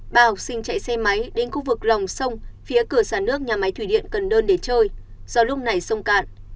ba học sinh chạy xe máy đến khu vực lòng sông phía cửa sản nước nhà máy thủy điện cần đơn để chơi do lúc này sông cạn